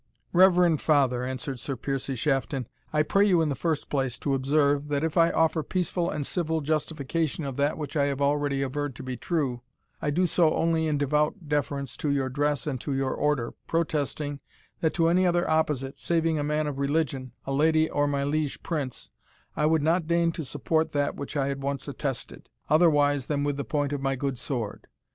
"Reverend father," answered Sir Piercie Shafton, "I pray you in the first place to observe, that if I offer peaceful and civil justification of that which I have already averred to be true, I do so only in devout deference to your dress and to your order, protesting, that to any other opposite, saving a man of religion, a lady or my liege prince, I would not deign to support that which I had once attested, otherwise than with the point of my good sword.